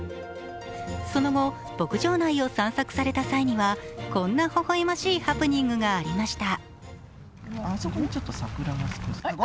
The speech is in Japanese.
その後、牧場内を散策された際にはこんなほほ笑ましいハプニングがありました。